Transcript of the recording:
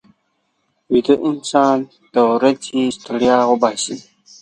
ویده انسان د ورځې ستړیا وباسي